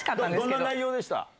どんな内容でした？